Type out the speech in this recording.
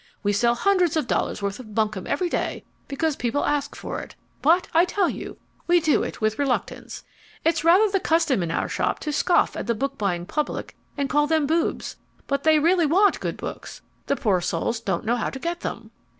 We sell hundreds of dollars' worth of bunkum every day because people ask for it; but I tell you we do it with reluctance. It's rather the custom in our shop to scoff at the book buying public and call them boobs, but they really want good books the poor souls don't know how to get them.